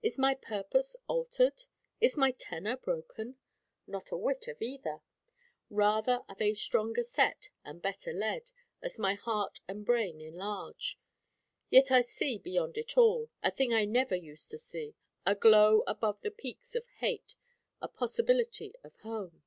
Is my purpose altered? Is my tenor broken? Not a whit of either. Rather are they stronger set and better led, as my heart and brain enlarge. Yet I see beyond it all, a thing I never used to see, a glow above the peaks of hate, a possibility of home.